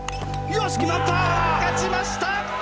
日本勝ちました！